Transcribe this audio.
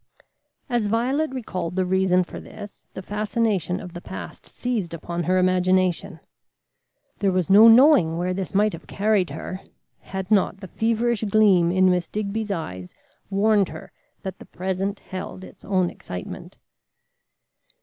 As Violet recalled the reason for this the fascination of the past seized upon her imagination. There was no knowing where this might have carried her, had not the feverish gleam in Miss Digby's eyes warned her that the present held its own excitement.